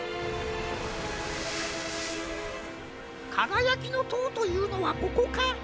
「かがやきのとう」というのはここか？